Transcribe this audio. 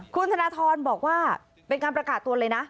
คุณธนทรบอกว่าเป็นการประกาศตัวเลยนะ